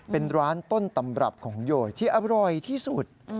เป็นร้านต้นตำรับของโยยที่อร่อยที่สุด